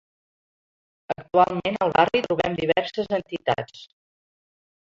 Actualment al barri trobem diverses entitats.